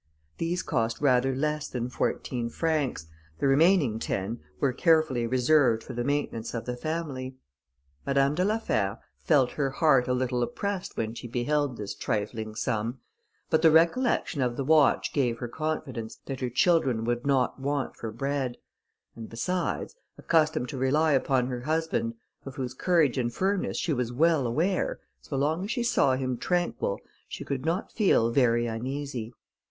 These cost rather less than fourteen francs; the remaining ten were carefully reserved for the maintenance of the family. Madame de la Fère felt her heart a little oppressed when she beheld this trifling sum, but the recollection of the watch gave her confidence that her children would not want for bread; and besides, accustomed to rely upon her husband, of whose courage and firmness she was well aware, so long as she saw him tranquil, she could not feel very uneasy.